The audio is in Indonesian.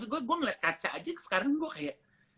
gue ngeliat kaca aja sekarang gue kayak